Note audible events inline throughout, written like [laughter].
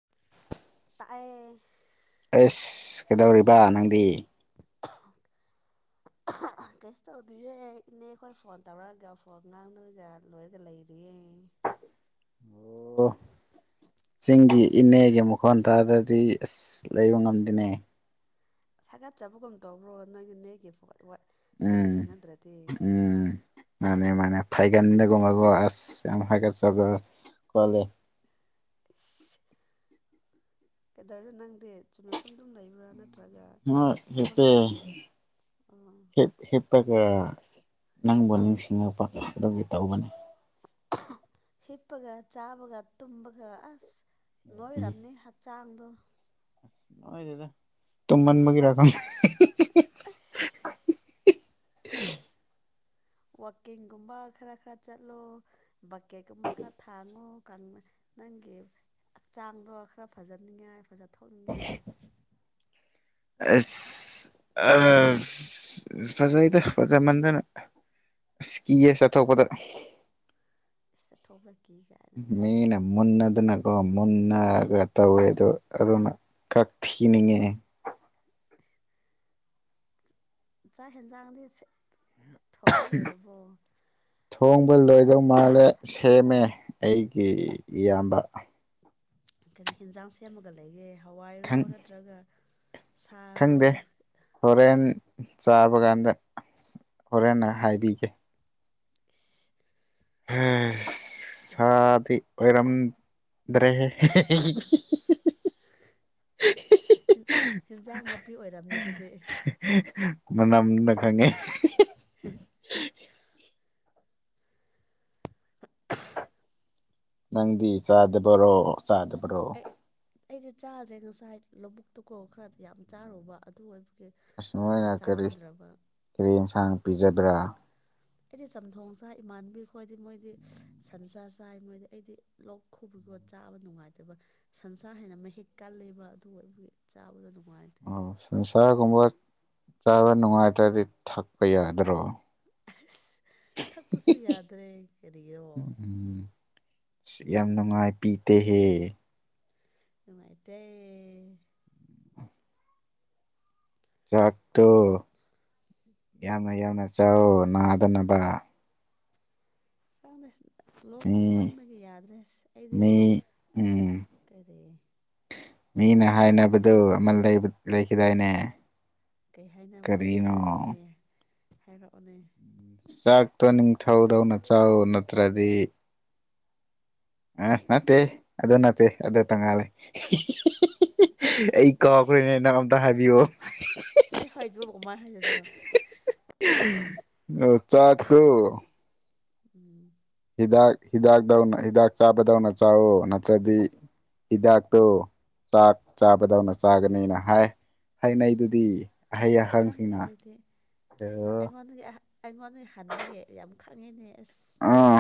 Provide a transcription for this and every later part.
[inaudible] ꯇꯥꯢꯌꯦ ꯑꯦꯁ ꯀꯩꯗꯧꯔꯤꯕ ꯅꯪꯗꯤ [inaudible] ꯀꯩꯁꯨ ꯇꯧꯗꯤꯌꯦ ꯏꯅꯦ ꯈꯣꯏ ꯐꯣꯟ ꯇꯧꯔꯛꯑꯒ ꯐꯣꯟ ꯉꯥꯡꯅꯔꯒ ꯂꯣꯏꯔꯒ ꯂꯩꯔꯤꯌꯦ [inaudible] ꯑꯣ ꯆꯤꯡꯒꯤ ꯏꯅꯦꯒꯤ ꯃꯈꯣꯟ ꯇꯥꯗ꯭ꯔꯗꯤ ꯑꯁ ꯂꯩꯕ ꯉꯝꯗꯦꯅꯦ ꯁꯥꯒꯠꯆꯕꯒꯨꯝ ꯇꯧꯕ꯭ꯔꯣ ꯅꯣꯏꯒꯤ ꯅꯦꯛꯀꯤ [unintelligible] ꯎꯝ ꯎꯝ ꯃꯥꯅꯦ ꯃꯥꯅꯦ ꯐꯥꯏꯒꯟꯗ ꯒꯨꯝꯕꯀꯣ ꯑꯁ ꯌꯥꯝ ꯍꯀꯥꯆꯕ ꯀꯣꯂꯦ ꯀꯩꯗꯧꯔꯦ ꯅꯪꯗꯤ ꯆꯨꯝꯅ ꯁꯨꯝ ꯑꯗꯨꯝ ꯂꯩꯕ꯭ꯔꯥ ꯅꯠ ꯃꯥ ꯍꯦꯞꯄꯦ ꯍꯦꯄ ꯍꯦꯞꯄꯔ ꯌꯦ ꯅꯪꯕꯨ ꯅꯤꯡꯁꯤꯡꯉꯛꯄ ꯑꯗꯨꯒꯤ ꯇꯧꯕꯅꯦ ꯍꯤꯞꯄꯒ ꯆꯥꯕꯒ ꯇꯨꯝꯕꯒ ꯑꯁ ꯎꯝ ꯅꯣꯏꯔꯝꯅꯤ ꯍꯛꯆꯥꯡ ꯗꯣ ꯅꯣꯏꯗꯦꯗ ꯇꯨꯝꯃꯟꯕꯒꯤꯔ ꯈꯪ ꯑꯁ [unintelligible] ꯋꯥꯛꯀꯤꯡꯒꯨꯝꯕ ꯈꯔ ꯈꯔ ꯆꯠꯂꯣ ꯕꯛꯀꯦꯠꯀꯨꯝꯕ ꯈꯔ ꯊꯥꯡꯉꯣ ꯀꯪ ꯅꯪꯒꯤ ꯍꯛꯆꯥꯡꯗꯣ ꯈꯔ ꯐꯖꯅꯤꯡꯉꯥꯏ ꯐꯖ ꯊꯣꯛꯅꯤꯡꯉꯥꯏ ꯑꯦꯁ ꯑꯁ ꯐꯖꯩꯗ ꯐꯖꯥ ꯃꯟꯗꯅ ꯑꯁ ꯀꯤꯌꯦ ꯆꯠꯊꯣꯛꯄꯗ ꯆꯠꯊꯣꯛꯄ ꯀꯤꯌꯦ ꯃꯤꯅ ꯃꯨꯟꯅꯗꯅꯒꯣ ꯃꯨꯟꯅꯒ ꯇꯧꯋꯦ ꯑꯗꯣ ꯑꯗꯨꯅ ꯀꯛ ꯊꯤꯅꯤꯡꯉꯦ ꯆꯥꯛ ꯍꯦꯡꯖꯥꯡꯗꯤ ꯁꯦ ꯊꯣꯡꯕ ꯂꯣꯏꯗꯧ ꯃꯥꯜꯂꯦ ꯁꯦꯝꯃꯦ ꯑꯩꯒꯤ ꯏꯌꯥꯝꯕ ꯀꯔꯤ ꯍꯦꯟꯖꯥꯡ ꯁꯦꯝꯃꯒ ꯂꯩꯒꯦ ꯍꯋꯥꯏꯔꯣ ꯈꯪ ꯅꯠꯇ꯭ꯔꯒ ꯁꯥꯔꯣ ꯈꯪꯗꯦ ꯍꯣꯔꯦꯟ ꯆꯥꯕ ꯒꯥꯟꯗ ꯍꯣꯔꯦꯟꯅ ꯍꯥꯏꯕꯤꯒꯦ ꯍꯦꯁ ꯁꯥꯗꯤ ꯑꯣꯏꯔꯝꯗ꯭ꯔꯦꯍꯦ ꯍꯦꯟꯖꯥꯡ ꯅꯥꯄꯤ ꯑꯣꯏꯔꯝꯅꯤ ꯑꯗꯨꯗꯤ ꯃꯅꯝꯅ ꯈꯪꯉꯦ ꯅꯪꯗꯤ ꯆꯥꯗꯕꯔꯣ ꯆꯥꯗꯕꯔꯣ ꯑꯩ ꯑꯩꯗꯤ ꯆꯥꯗ꯭ꯔꯦ ꯉꯁꯥꯏ ꯂꯧꯕꯨꯛꯇꯨꯀꯣ ꯈꯔꯗ ꯌꯥꯝ ꯆꯥꯔꯨꯕ ꯑꯗꯨ ꯑꯣꯏ ꯑꯁ ꯃꯣꯏꯅ ꯀꯔꯤ ꯀ꯭ꯔꯤ ꯌꯦꯟꯁꯥꯡ ꯄꯤꯖꯕꯔꯥ ꯑꯩꯗꯤ ꯆꯝꯊꯣꯡ ꯆꯥ ꯏꯃꯥꯟꯅꯕꯤ ꯈꯣꯏꯗꯤ ꯃꯣꯏꯗꯤ ꯁꯟꯁꯥ ꯆꯥꯏ ꯃꯣꯏꯗꯤ ꯑꯩꯗꯤ ꯂꯣꯛ ꯈꯨ ꯑꯩ ꯆꯥꯕ ꯅꯨꯡꯉꯥꯏꯇꯕ ꯁꯟꯁꯥ ꯍꯦꯟꯅ ꯃꯍꯤꯛ ꯀꯥꯜꯂꯤꯕ ꯑꯗꯨꯒ ꯑꯕꯨ ꯆꯥꯕꯗꯨ ꯅꯨꯡꯉꯥꯏ ꯑꯣ ꯁꯟꯁꯥ ꯒꯨꯝꯕ ꯆꯥꯕ ꯅꯨꯡꯉꯥꯏꯇ꯭ꯔꯗꯤ ꯊꯛꯄ ꯌꯥꯗ꯭ꯔꯣ ꯑꯁ ꯊꯛꯄꯁꯨ ꯌꯥꯗ꯭ꯔꯦ ꯀꯔꯤꯔꯣ ꯏꯁ ꯌꯥꯝ ꯅꯨꯡꯉꯥꯏ ꯄꯤꯗꯦꯍꯦ ꯅꯨꯡꯉꯥꯏꯇꯦ ꯆꯥꯛꯇꯨ ꯌꯥꯝꯅ ꯌꯥꯝꯅ ꯆꯥꯎ ꯅꯥꯗꯅꯕ [unintelligible] ꯂꯣꯛ ꯃꯤ ꯈꯨꯃꯟꯕꯒꯤ ꯌꯥꯗ꯭ꯔꯦꯁ ꯃꯤ ꯑꯩꯗꯤꯒꯣ ꯎꯝ ꯀꯔꯤ ꯃꯤꯅ ꯍꯥꯏꯅꯕꯗꯨ ꯑꯃ ꯂꯩꯕ ꯂꯩꯈꯤꯗꯥꯏꯅꯦ ꯀꯩ ꯍꯥꯏꯅꯕ ꯑꯩꯗꯤ ꯀꯔꯤꯅꯣ ꯈꯪꯗꯦꯅꯦ ꯍꯥꯏꯔꯛꯑꯣꯅꯦ ꯆꯥꯛꯇꯣ ꯅꯤꯡꯊꯧꯗꯧꯅ ꯆꯥꯎ ꯅꯠꯇ꯭ꯔꯗꯤ ꯑ ꯅꯠꯇꯦ ꯑꯗꯨ ꯅꯠꯇꯦ ꯑꯗꯨ ꯇꯪꯉꯂꯦ ꯑꯩ ꯏꯁ ꯀꯥꯎꯈ꯭ꯔꯦꯅꯦ ꯅꯪ ꯑꯝꯇ ꯍꯥꯏꯕꯤꯌꯣ ꯑꯩ ꯍꯣꯏꯗꯣ ꯀꯃꯥꯏ ꯍꯥꯏꯗꯣꯏꯅꯣ ꯑ ꯆꯥꯛꯇꯨ ꯎꯝ ꯍꯤꯗꯥꯛ ꯍꯤꯗꯥꯛꯗꯧꯅ ꯍꯤꯗꯥꯛ ꯆꯥꯕꯗꯧꯅ ꯆꯥꯑꯣ ꯅꯠꯇ꯭ꯔꯗꯤ ꯍꯤꯗꯥꯛꯇꯣ ꯆꯥꯛ ꯆꯥꯕꯗꯧꯅ ꯆꯥꯒꯅꯤꯅ ꯍꯥꯏ ꯍꯩꯅꯩꯗꯨꯗꯤ ꯈꯪꯗꯦ ꯑꯩꯗꯤ ꯑꯥ ꯑꯩꯉꯣꯟꯗꯒꯤ ꯑꯩꯉꯣꯟꯗꯒꯤ ꯍꯟꯕꯒꯤ ꯌꯥꯝ ꯈꯪꯉꯤꯅꯦ ꯑꯁ ꯑꯥ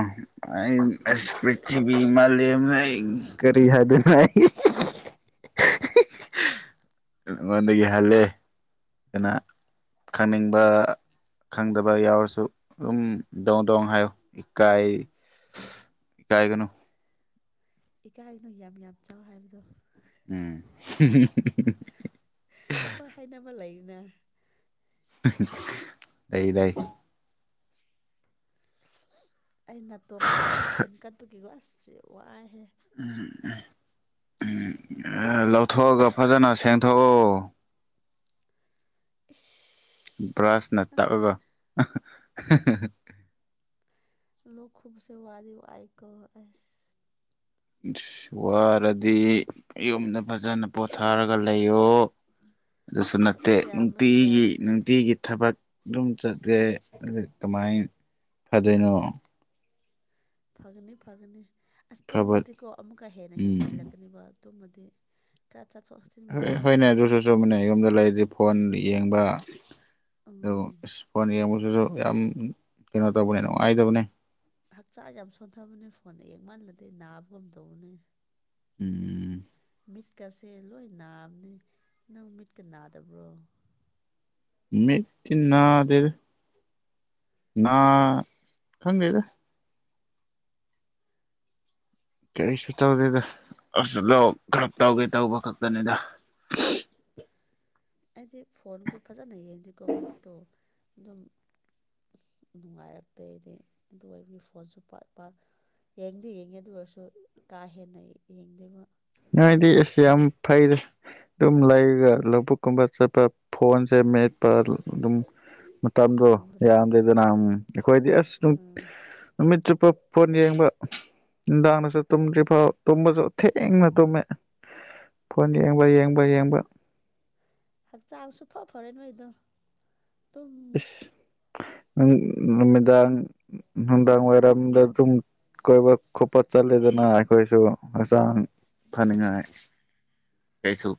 ꯑꯩ ꯑꯁ ꯄ꯭ꯔꯤꯊꯤꯕꯤ ꯃꯥꯂꯦꯝꯗ ꯑꯩ ꯀꯔꯤ ꯍꯥꯏꯗꯣꯢꯅꯣ ꯑꯩ ꯍꯤ ꯍꯤꯑꯩ ꯉꯣꯟꯗꯒꯤ ꯍꯜꯂꯦ ꯀꯅꯥ ꯈꯪꯅꯤꯡꯕ ꯈꯪꯗꯕ ꯌꯥꯎꯔꯁꯨ ꯑꯗꯨꯝ ꯗꯣꯡ ꯗꯣꯡ ꯍꯥꯏꯌꯨ ꯏꯀꯥꯏ ꯏꯀꯥꯏꯒꯅꯨ ꯏꯀꯥꯏꯅꯨ ꯌꯥꯝ ꯌꯥꯝ ꯆꯥꯎ ꯍꯥꯏꯕꯗꯣ ꯎꯝ ꯍꯝ ꯍꯝ ꯍꯝ ꯅꯦ ꯂꯩ ꯂꯩ ꯑꯩ ꯅꯥꯇꯣꯡꯒꯁ ꯂꯣꯏ ꯐꯨꯟꯀꯠꯄꯒꯤꯀꯣ ꯑꯁ ꯋꯥꯏꯍꯦ ꯎꯝ ꯎꯝ ꯎꯝ ꯂꯧꯊꯣꯛꯑꯒ ꯐꯖꯅ ꯁꯦꯡꯊꯣꯛꯑꯣ ꯏꯁ ꯕ꯭ꯔꯁꯅ ꯅꯪꯁꯦ ꯇꯛꯑꯒ ꯑꯍꯥ ꯑꯍꯥ ꯍꯥ ꯂꯣꯛ ꯈꯨꯕꯁꯦ ꯋꯥꯗꯤ ꯋꯥꯏꯀꯣ ꯑꯁ ꯋꯥꯔꯗꯤ ꯌꯨꯝꯗ ꯐꯖꯅ ꯄꯣꯊꯥꯔꯒ ꯂꯩꯌꯣ ꯑꯗꯨꯁꯨ ꯑꯁ ꯅꯠꯇꯦ ꯊꯕꯛ ꯌꯥꯝꯕꯒꯤ ꯅꯨꯡꯇꯤꯒꯤ ꯌꯥꯗꯦꯅꯦ ꯅꯨꯡꯇꯤꯒꯤ ꯊꯕꯛ ꯑꯗꯨꯝ ꯆꯠꯂꯦ ꯑꯗꯨ ꯀꯃꯥꯏ ꯐꯗꯣꯏꯅꯣ ꯐꯒꯅꯤ ꯐꯒꯅꯤ ꯑꯁ ꯐꯕ ꯇꯨꯝꯃꯗꯤꯀꯣ ꯑꯃꯨꯛꯀ ꯍꯦꯟꯅ ꯎꯝ ꯍꯦꯟꯖꯤꯜꯂꯛꯀꯅꯤꯕ ꯇꯨꯃꯗꯤ ꯇ꯭ꯔ ꯍꯣꯏ ꯍꯣꯏꯅꯦ ꯑꯗꯨꯁꯨ ꯆꯨꯝꯃꯤꯅꯦ ꯌꯨꯝꯗ ꯂꯩꯔꯗꯤ ꯐꯣꯟ ꯌꯦꯡꯕ ꯑꯗꯨ ꯎꯝ ꯑꯁ ꯐꯣꯟ ꯌꯦꯡꯕꯁꯤꯁꯨ ꯌꯥꯝ ꯀꯩꯅꯣ ꯇꯧꯕꯅꯦ ꯅꯨꯡꯉꯥꯏꯇꯕꯅꯦ ꯍꯛꯆꯥꯡ ꯌꯥꯝ ꯁꯣꯟꯊꯕꯅꯦ ꯐꯣꯟ ꯌꯦꯡꯃꯥꯜꯂꯗꯤ ꯅꯥꯕꯒꯨꯝ ꯇꯧꯕꯅꯦ ꯎꯝ ꯃꯤꯠꯀꯁꯦ ꯂꯣꯏ ꯅꯥꯕꯅꯤ ꯅꯪ ꯃꯤꯠꯀ ꯅꯥꯗꯕ꯭ꯔꯣ ꯃꯠꯇꯤ ꯅꯥꯗꯦꯗ ꯅꯥ ꯏꯁ ꯈꯪꯗꯦꯗ ꯀꯔꯤꯁꯨ ꯇꯧꯗꯦꯗ ꯑꯁ ꯂꯣꯛ ꯀꯔꯞ ꯇꯧꯒꯦ ꯇꯧꯕ ꯈꯛꯇꯅꯤꯗ [inaudible] ꯑꯩꯗꯤ ꯐꯣꯟꯀꯥ ꯐꯖꯅ ꯌꯦꯡꯉꯗꯤꯀꯣ ꯃꯤꯠꯇꯣ ꯑꯗꯨꯝ ꯅꯨꯡꯉꯥꯏꯔꯛꯇꯦ ꯑꯩꯗꯤ ꯑꯗꯨ ꯑꯣꯏꯕꯒꯤ ꯐꯣꯟꯁꯨ ꯄꯥꯛ ꯄꯥꯛ ꯌꯦꯡꯗꯤ ꯌꯦꯡꯉꯦ ꯑꯗꯨ ꯑꯣꯏꯔꯁꯨ ꯀꯥ ꯍꯦꯟꯅ ꯌꯦꯡꯗꯦꯕ ꯅꯣꯏꯗꯤ ꯑꯁ ꯌꯥꯝ ꯐꯩꯗꯥ ꯑꯗꯨꯝ ꯂꯩꯒ ꯂꯧꯕꯨꯛ ꯀꯨꯝꯕ ꯆꯠꯄ ꯐꯣꯟꯁꯦ ꯃꯦꯠꯄ ꯑꯗꯨꯝ ꯃꯇꯝꯗꯣ ꯁꯪꯗ꯭ꯔꯦ ꯌꯥꯝꯗꯦꯗꯅ ꯎꯝ ꯑꯩꯈꯣꯏꯗꯤ ꯑꯁ ꯎꯝ ꯅꯨꯃꯤꯠ ꯆꯨꯞ ꯐꯣꯟ ꯌꯦꯡꯕ ꯅꯨꯡꯗꯥꯡꯗꯁꯨ ꯇꯨꯝꯗ꯭ꯔꯤ ꯐꯥꯎ ꯇꯨꯝꯃꯁꯨ ꯊꯦꯡꯅ ꯇꯨꯝꯃꯦ ꯐꯣꯟ ꯌꯦꯡꯕ ꯌꯦꯡ ꯍꯛꯆꯥꯡ ꯁꯨꯐ ꯐꯔꯣꯢ ꯅꯣꯏꯗꯣ ꯇꯨꯝ ꯅꯪ ꯅꯨꯃꯤꯗꯥꯡ ꯅꯨꯡꯗꯥꯡ ꯋꯥꯢꯔꯝꯗꯥ ꯑꯗꯨꯝ ꯀꯣꯏꯕ ꯈꯣꯠꯄ ꯆꯠꯂꯦꯗꯅ ꯑꯩꯈꯣꯏꯁꯨ ꯍꯛꯆꯥꯡ ꯐꯅꯤꯡꯉꯥꯏ [inaudible]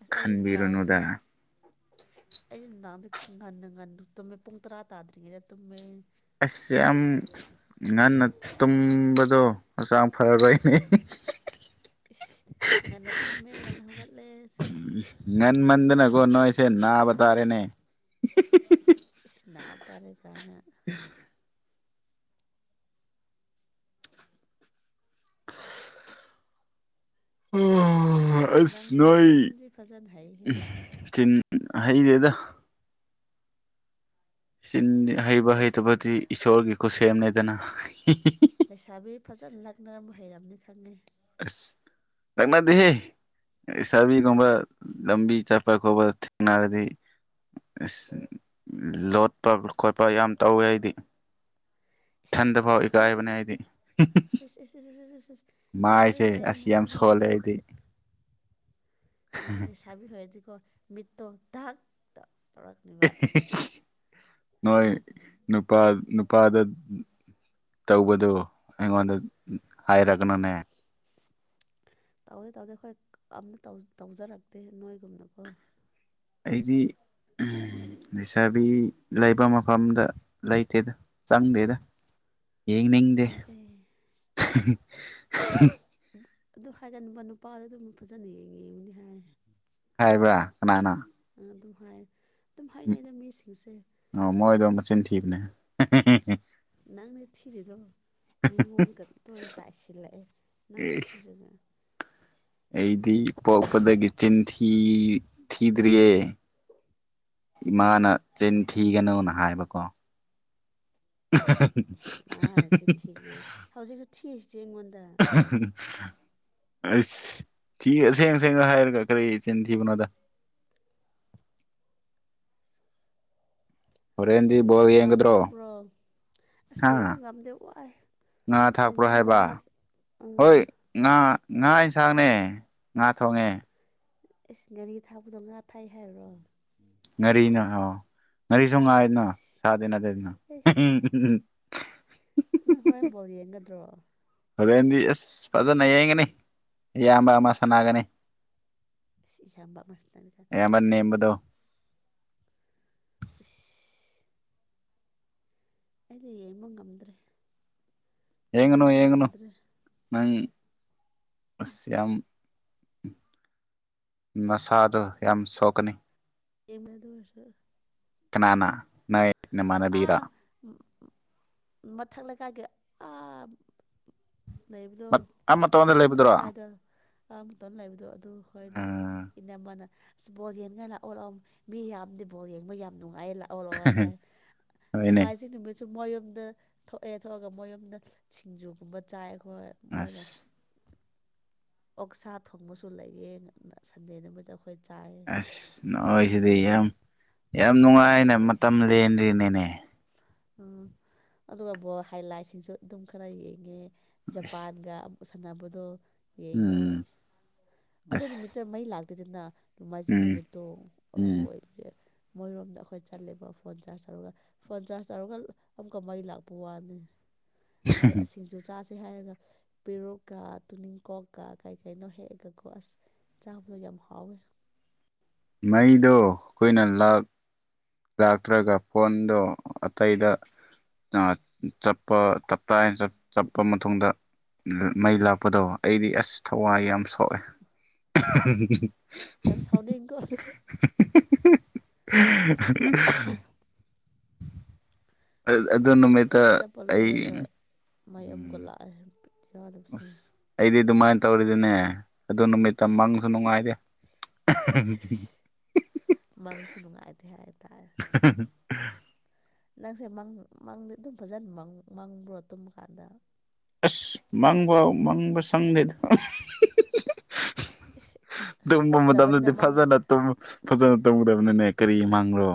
ꯑ꯭ꯁ ꯑꯩꯗꯤ ꯅꯨꯡꯗꯥꯡꯁꯨ ꯈꯟꯕꯤꯔꯨꯅꯨꯗ ꯑꯩꯗꯤ ꯅꯨꯡꯗꯥꯡꯗ ꯉꯟꯅ ꯉꯟꯅ ꯇꯨꯝꯃꯦ ꯄꯨꯡ ꯇꯔꯥ ꯇꯥꯗ꯭ꯔꯤꯉꯩꯗ ꯇꯨꯝꯃꯦ ꯑꯁ ꯌꯥꯝ ꯉꯟꯅ ꯇꯨꯝꯕꯗꯣ ꯍꯛꯆꯥꯡ ꯐꯔꯣꯏꯅꯦ [unintelligible] ꯏꯁ ꯉꯟꯅ ꯇꯨꯝꯃꯦ ꯉꯟꯅ ꯍꯧꯒꯠꯂꯦ ꯉꯟꯃꯟꯗꯅꯀꯣ ꯅꯣꯢꯁꯦ ꯅꯥꯕ ꯇꯥꯔꯦꯅꯦ ꯏꯁ ꯅꯥꯕ ꯇꯥꯔꯦ ꯀꯥꯏꯅ [inaudible] ꯑꯩꯁ ꯅꯪꯁꯦ ꯅꯣꯏ ꯆꯤꯟꯗꯤ ꯐꯖꯅ ꯍꯩꯍꯦ ꯆꯤꯟ ꯍꯩꯗꯦꯗ ꯆꯤꯟꯗꯤ ꯍꯩꯕ ꯂꯩ- ꯍꯩꯇꯕꯗꯤ ꯏꯁꯣꯔꯒꯤ ꯈꯨꯁꯦꯝꯅꯦꯗꯅ ꯂꯩꯁꯥꯕꯤ ꯐꯖꯅ ꯂꯛꯅꯔꯝꯕ ꯍꯩꯔꯝꯅꯤ ꯈꯪꯉꯦ ꯑꯁ ꯂꯛꯅꯗꯦꯍꯦ ꯏꯁꯥꯕꯤꯒꯨꯝꯕ ꯂꯝꯕꯤ ꯆꯠꯄ ꯈꯣꯠꯄ ꯊꯦꯡꯅꯔꯗꯤ ꯏ꯭ꯁ ꯂꯣꯠꯄ ꯈꯣꯠꯄ ꯌꯥꯝ ꯇꯧꯋꯦ ꯑꯩꯗꯤ ꯏꯁ ꯏꯊꯟꯗ ꯂꯣꯠꯄ ꯐꯥꯎ ꯏꯀꯥꯏꯕꯅꯦ ꯑꯩꯗꯤ ꯏꯁ [unintelligible] ꯌꯥꯔꯦ ꯃꯥꯏꯁꯦ ꯌꯥꯔꯦ ꯑ꯭ꯁ ꯌꯥꯝ ꯅꯆꯤꯟꯗꯣ ꯁꯣꯜꯂꯦ ꯑꯩꯗꯤ ꯌꯥꯔꯦ ꯂꯩꯁꯥꯕꯤ ꯍꯣꯢꯗꯤꯀꯣ ꯃꯤꯠꯇꯣ ꯗꯛ ꯇ ꯅꯣꯏ ꯅꯨꯄꯥ ꯅꯨꯄꯥꯗ ꯇꯧꯕꯗꯣ ꯑꯩꯉꯣꯟꯗ ꯍꯥꯏꯔꯛꯒꯅꯣꯅꯦ ꯇꯧꯗꯦ ꯇꯧꯗꯦ ꯈꯣꯏ ꯑꯝꯇ ꯇꯧ ꯇꯧꯖꯔꯛꯇꯦ ꯅꯣꯏꯒꯨꯝꯅꯀꯣ ꯑꯩꯗꯤ ꯎꯝ ꯂꯩꯁꯥꯕꯤ ꯂꯩꯕ ꯃꯐꯝꯗ ꯂꯩꯇꯦꯗ ꯆꯪꯗꯦꯗ ꯌꯦꯡꯅꯤꯡꯗꯦ ꯑꯦꯂꯦ ꯑꯗꯨ ꯍꯥꯏꯒꯟꯕ ꯅꯨꯄꯥꯗꯨ ꯗꯨꯝ ꯐꯖꯟ ꯌꯦꯡꯌꯦꯡꯕꯅꯤ ꯍꯥꯏ ꯍꯥꯏꯕ꯭ꯔꯥ ꯀꯅꯥꯅ ꯑꯗꯨꯝ ꯍꯥꯏ ꯑꯗꯨꯝ ꯍꯥꯏꯅꯩꯗ ꯃꯤꯁꯤꯡꯁꯦ ꯑꯣ ꯃꯣꯏꯗꯣ ꯃꯆꯤꯟ ꯊꯤꯕꯅꯦ ꯅꯪꯅꯦ ꯊꯤꯔꯤꯗꯣ ꯃꯤꯉꯣꯟꯒ ꯇꯣꯏꯟ ꯇꯥꯏꯁꯤꯜꯂꯛꯑꯦ ꯅꯪ ꯊꯤꯔꯒ ꯑꯩꯗꯤ ꯄꯣꯛꯄꯗꯒꯤ ꯆꯤꯟ ꯊꯤ ꯊꯤꯗ꯭ꯔꯤꯌꯦ ꯏꯃꯥꯅ ꯆꯤꯟ ꯊꯤꯒꯅꯣꯅ ꯍꯥꯏꯕꯀꯣ ꯏ꯭ꯁ ꯏꯃꯥꯅ ꯆꯤꯟ ꯊꯤꯒꯅꯣ ꯍꯥꯢ ꯍꯧꯖꯤꯛꯁꯨ ꯊꯤꯁꯤꯗꯤ ꯑꯩꯉꯣꯟꯗ ꯑꯩꯁ ꯊꯤ ꯑꯁꯦꯡ ꯑꯁꯦꯡꯕ ꯍꯥꯏꯔꯒ ꯀ꯭ꯔꯤ ꯆꯤꯟ ꯊꯤꯕꯅꯣꯗ [inaudible] ꯍꯣꯔꯦꯟꯗꯤ ꯕꯣꯜ ꯌꯦꯡꯒꯗ꯭ꯔꯣ ꯑ꯭ꯁ ꯍꯥ ꯌꯦꯡꯕ ꯉꯝꯗꯦ ꯋꯥꯏ ꯉꯥ ꯊꯥꯛꯄ꯭ꯔꯣ ꯑꯦꯟꯖꯥꯡꯅ ꯍꯥꯏꯕ ꯉꯥ ꯎꯝ ꯍꯣꯏ ꯉꯥ ꯉꯥ ꯌꯦꯟꯁꯥꯡꯅꯦ ꯉꯥ ꯊꯣꯡꯉꯦ ꯏꯁ ꯉꯥꯔꯤ ꯊꯥꯛꯄꯗꯣ ꯉꯥ ꯊꯥꯏ ꯍꯥꯏꯔꯨꯔꯣ ꯉꯥꯔꯤꯅ ꯍꯥꯎ ꯉꯥꯔꯤꯁꯨ ꯉꯥꯏꯅ ꯁꯥ ꯏꯁ ꯏꯁ [unintelligible] ꯅꯪ ꯍꯣꯔꯦꯟ ꯕꯣꯜ ꯌꯦꯡꯒꯗ꯭ꯔꯣ ꯍꯣꯔꯦꯟꯗꯤ ꯑꯁ ꯐꯖꯟ ꯌꯦꯡꯒꯅꯤ ꯏꯌꯥꯝꯕ ꯑꯃ ꯁꯥꯟꯅꯒꯅꯤ ꯏ꯭ꯁ ꯏꯌꯥꯝꯕ ꯑꯃ ꯁꯥꯟꯒꯅꯤ ꯀꯥꯢ ꯑꯌꯥꯝꯕ ꯅꯦꯝꯕꯗꯣ ꯏꯁ ꯑꯩꯗꯤ ꯌꯦꯡꯕ ꯉꯝꯗ꯭ꯔꯦ ꯌꯦꯉꯅꯨ ꯌꯦꯡꯕ ꯌꯦꯡꯉꯅꯨ ꯉꯝꯗ꯭ꯔꯦ ꯅꯪ ꯑꯁ ꯌꯥꯝ ꯃꯁꯥꯗꯣ ꯌꯥꯝ ꯁꯣꯛꯀꯅꯤ ꯌꯦꯡꯉꯦ ꯑꯗꯨ ꯑꯣꯢꯔꯁꯨ ꯀꯅꯥꯅ ꯅꯣꯏ ꯅꯃꯥꯟꯅꯕꯤꯔ ꯑꯥ ꯃꯊꯛ ꯂꯩꯀꯥꯏꯒꯤ ꯑꯥ ꯂꯩꯕꯗꯣ ꯃꯇꯣꯟꯗ ꯑꯥ ꯃꯊꯠ ꯂꯩꯕꯗꯨꯔꯣ ꯂꯩꯀꯥꯏꯗꯣ ꯑꯥ ꯃꯇꯣꯟ ꯂꯩꯕꯗꯣ ꯑꯗꯨ ꯈꯣꯏꯅ ꯎꯝ ꯏꯅꯝꯃꯥꯅ ꯑꯁ ꯕꯣꯜ ꯌꯦꯟꯅꯉꯥꯢ ꯂꯥꯛꯑꯣ ꯂꯥꯛꯑꯣ ꯃꯤ ꯌꯥꯝꯗꯤ ꯕꯣꯜ ꯌꯦꯡꯕ ꯌꯥꯝ ꯅꯨꯡꯉꯥꯏꯌꯦ ꯂꯥꯛꯑꯣ ꯂꯥꯛꯑꯣ ꯍꯥꯏ ꯍꯣꯏꯅꯦ ꯅꯣꯡꯃꯥꯏꯖꯤꯡ ꯅꯨꯃꯤꯠꯁꯨ ꯃꯣꯏꯌꯣꯝꯗ ꯊꯣꯛꯑꯦ ꯊꯣꯛꯑꯒ ꯃꯣꯏꯌꯨꯝꯗ ꯁꯤꯡꯖꯨꯒꯨꯝꯕ ꯆꯥꯏ ꯍꯣꯏ ꯃꯣꯏꯅ ꯑꯁ ꯑꯣꯛꯁꯥ ꯊꯣꯡꯕꯁꯨ ꯂꯩꯌꯦꯅ ꯁꯟꯗꯦ ꯅꯨꯃꯤꯠꯇꯣ ꯑꯁ ꯅꯣꯏ ꯁꯤꯗꯤ ꯌꯥꯝ ꯌꯥꯝ ꯑꯣꯛꯁꯥꯅꯦ ꯅꯨꯡꯉꯥꯏꯅ ꯀꯩ ꯃꯇꯝ ꯀꯩꯅꯣ ꯂꯦꯟꯂꯤꯅꯤꯅꯦ ꯎꯝ ꯑꯗꯨꯒ ꯕꯣꯜ ꯍꯥꯏ ꯂꯥꯏꯠꯁꯤꯡꯁꯨ ꯑꯗꯨꯝ ꯈꯔ ꯌꯦꯡꯉꯦ ꯖꯄꯥꯟꯒ ꯑꯃꯨꯛ ꯁꯥꯟꯅꯕꯗꯣ ꯌꯦꯡꯉꯦ ꯎꯝ ꯑꯗꯨ ꯅꯨꯃꯤꯠꯇ ꯑꯁ ꯃꯩ ꯂꯥꯛꯇꯦꯗꯅ ꯅꯣꯡꯃꯥꯏꯖꯤꯡ ꯎꯝ ꯅꯨꯃꯤꯠꯇꯣ ꯑꯗꯨ ꯎꯝ ꯑꯣꯏꯕꯒꯤ ꯃꯣꯏꯔꯣꯝꯗ ꯑꯩꯈꯣꯏ ꯆꯠꯂꯦꯕ ꯐꯣꯟ ꯆꯥꯔꯖ ꯇꯧꯔꯒ ꯐꯣꯟ ꯆꯥꯔꯖ ꯇꯧꯔꯒ ꯑꯃꯨꯛꯀ ꯃꯩ ꯂꯥꯛꯄ ꯋꯥꯅꯤ ꯑꯗꯣ ꯁꯤꯡꯖꯨ ꯆꯥꯖ ꯁꯤ ꯍꯥꯏꯔꯒ ꯄꯦꯔꯣꯛꯀ ꯇꯨꯅꯤꯡꯀꯣꯛꯀ ꯀꯩ ꯀꯩꯅꯣ ꯍꯦꯛꯑꯒꯀꯣ ꯑꯁ ꯆꯥꯕꯗꯣ ꯌꯥ ꯍꯥꯎꯋꯦ ꯃꯩꯗꯣ ꯑꯩꯈꯣꯏꯅ ꯂꯥꯛ ꯂꯥꯛꯇ꯭ꯔꯒ ꯐꯣꯟꯗꯣ ꯑꯇꯩꯗ ꯑꯥ ꯆꯠꯄ ꯇꯄꯇꯥꯏ ꯆꯠꯄ ꯃꯇꯨꯡꯗ ꯃꯩ ꯂꯥꯛꯄꯗꯣ ꯑꯩꯗꯤ ꯑꯁ ꯊꯋꯥꯏ ꯌꯥꯝ ꯁꯣꯛꯑꯦ ꯌꯥꯝ ꯁꯥꯎꯅꯤꯡꯒꯣ [inaudible] ꯑꯗꯨ ꯅꯨꯃꯤꯠꯇ ꯂꯣꯏ ꯆꯠꯄ ꯑꯩ ꯂꯣꯏꯔꯒ ꯃꯩ ꯑꯃꯨꯛꯀ ꯎꯝ ꯂꯥꯛꯑꯦ ꯕꯤꯠꯌꯥꯎꯗꯕꯁꯤꯅ ꯑꯗꯨꯃꯥꯏ ꯇꯧꯔꯗꯤꯅꯦ ꯑꯗꯨ ꯅꯨꯃꯤꯠꯇ ꯃꯪꯁꯨ ꯅꯨꯡꯉꯥꯏꯗꯦ ꯃꯪꯁꯨ ꯅꯨꯉꯥꯏꯇꯦ ꯍꯥꯏ [inaudible] ꯅꯪꯁꯦ ꯃꯪ ꯃꯪꯗꯤ ꯑꯗꯨꯝ ꯐꯖꯅ ꯃꯪꯕ꯭ꯔꯣ ꯇꯨꯝꯃ ꯀꯥꯟꯗ ꯑꯁ ꯃꯪꯕ ꯃꯪꯕ ꯁꯪꯗꯦꯗ ꯏꯁ ꯑꯗꯨꯒꯨꯝꯕ ꯇꯨꯝꯗꯕꯅꯤꯅ ꯃꯇꯝꯗꯗꯤ ꯃꯪ ꯐꯖꯅ ꯇꯨꯝꯃꯣꯐꯖꯅ ꯇꯨꯝꯒꯗꯕꯅꯤꯅꯦ ꯀꯔꯤ ꯃꯪꯔꯣ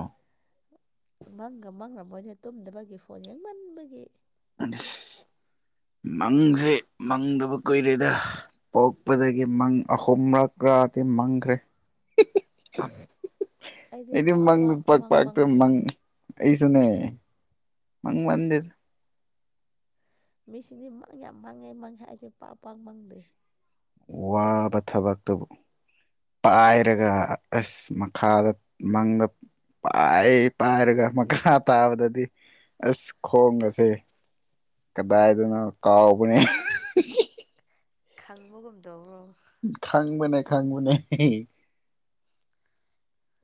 ꯃꯪꯒ ꯃꯪꯔꯝ ꯃꯣꯏꯅꯦ ꯇꯨꯝꯗꯕꯒꯤ ꯐꯣꯟ ꯌꯦꯡꯃꯟꯕꯒꯤ ꯑꯁ ꯃꯪꯁꯦ ꯃꯪꯗꯕ ꯀꯨꯏꯔꯦꯗ ꯄꯣꯛꯄꯗꯒꯤ ꯃꯪ ꯑꯍꯨꯝꯔꯛꯔꯗꯤ ꯃꯪꯈ꯭ꯔꯦ ꯑꯩꯗꯤ ꯄꯥꯛ ꯃꯪꯗꯨ ꯄꯥꯛ ꯃꯪ ꯄꯥꯛꯇ ꯃꯪꯗꯦ ꯃꯪ ꯑꯩꯁꯨꯅꯦ ꯃꯪ ꯃꯟꯗꯦꯗ ꯃꯤꯁꯤꯡꯗꯤ ꯃꯪ ꯌꯥꯝ ꯃꯪꯉꯦ ꯃꯪꯉꯦ ꯍꯥꯏ ꯑꯩꯗꯤ ꯄꯥꯛ ꯄꯥꯛ ꯃꯪꯗꯦ ꯋꯥꯕ ꯊꯕꯛꯇꯨꯕꯨ ꯄꯥꯏꯔꯒ ꯑꯁ ꯃꯈꯥꯗ ꯃꯪꯗ ꯄꯥꯏ ꯄꯥꯏꯔꯒ ꯃꯈꯥ ꯇꯥꯕꯗꯗꯤ ꯑꯁ ꯈꯣꯡꯒꯁꯦ ꯀꯗꯥꯏꯗꯅꯣ ꯀꯥꯎꯕꯅꯦ ꯈꯪꯕꯒꯨꯝ ꯇꯧꯕ꯭ꯔꯣ ꯈꯪꯕꯅꯦ ꯈꯪꯕꯅꯦ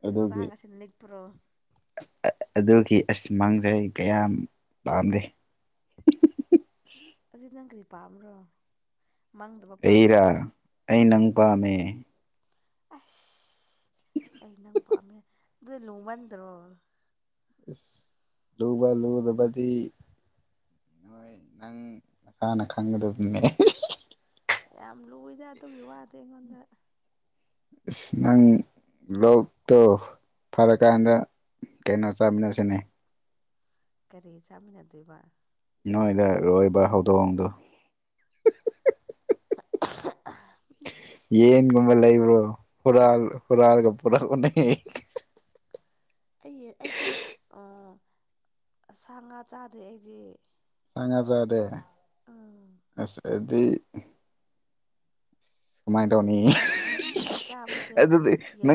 ꯑꯗꯨꯒꯤ ꯍꯛꯆꯥꯡ ꯑꯁꯤ ꯅꯤꯛꯄ꯭ꯔꯣ ꯑꯗꯨꯒꯤ ꯑꯁ ꯃꯪꯖꯦ ꯑꯩ ꯀꯌꯥꯝ ꯄꯥꯝꯗꯦ [inaudible] ꯑꯁꯤ ꯅꯪ ꯀꯔꯤ ꯄꯥꯝꯕ꯭ꯔꯣ ꯃꯪꯗꯕ ꯑꯩꯔꯥ ꯄꯥꯝꯕ꯭ꯔꯣ ꯑꯩ ꯎꯝ ꯅꯪ ꯄꯥꯝꯃꯦ ꯑꯁ ꯑꯩ ꯅꯪ ꯄꯥꯝꯃꯦ ꯑꯗꯨꯗꯤ ꯂꯨꯃꯟꯗ꯭ꯔꯣ ꯑꯁ ꯂꯨꯕ ꯂꯨꯗꯕꯗꯤ ꯅꯣꯏ ꯅꯪ ꯃꯁꯥꯅ ꯈꯪꯒꯗꯕꯅꯦ ꯌꯥꯝ ꯂꯨꯏꯗ ꯑꯗꯨꯒꯤ ꯋꯥꯗꯤ ꯑꯩꯉꯣꯟꯗ ꯏꯁ ꯅꯪ ꯂꯣꯛꯇꯣ ꯐꯔꯀꯥꯟꯗ ꯀꯩꯅꯣ ꯆꯥꯃꯤꯅꯁꯤꯅꯦ ꯀꯔꯤ ꯆꯥꯃꯤꯟꯅꯗꯣꯏꯕ ꯅꯣꯏꯗ ꯂꯣꯏꯕ ꯍꯧꯗꯣꯡꯗꯣ ꯌꯦꯟꯒꯨꯝꯕ ꯂꯩꯕ꯭ꯔꯣ ꯍꯨꯔꯥꯜ ꯍꯨꯔꯥꯜꯒ ꯄꯨꯔꯛ ꯎꯅꯦ ꯑꯩꯒꯤ ꯑꯩꯗꯤ ꯑꯥ ꯁꯥ ꯉꯥ ꯆꯥꯗꯦ ꯑꯩꯗꯤ ꯁꯥ ꯉꯥ ꯆꯥꯗꯦ ꯎꯝ ꯑꯁ ꯑꯗꯤ ꯀꯃꯥꯏꯅ ꯇꯧꯅꯤ ꯍꯤ ꯍꯤ ꯑꯩ ꯍꯤ ꯆꯥꯕꯁꯦ ꯑꯗꯨꯗꯤ ꯌꯦꯟ ꯅꯪ